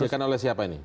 disertikan oleh siapa ini